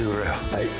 はい。